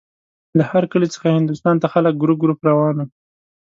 له هر کلي څخه هندوستان ته خلک ګروپ ګروپ روان وو.